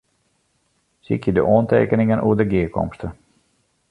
Sykje de oantekeningen oer de gearkomste.